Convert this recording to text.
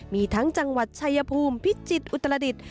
มีทั้งจังหวัดชายภูมิพิจิตรอุตรดิษฐ์